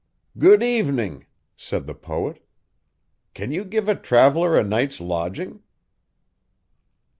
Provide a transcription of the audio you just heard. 'Good evening,' said the poet. 'Can you give a traveller a night's lodging?